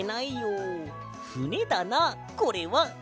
ふねだなこれは。